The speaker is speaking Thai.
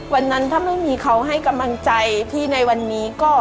วันนั้นถ้าไม่มีเขาให้กำลังใจพี่ในวันนี้ก็